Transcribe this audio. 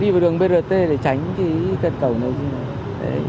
đi vào đường brt để tránh cái cân cầu này